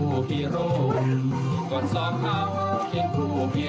วันปฏิหารภาคแดงงั้นไง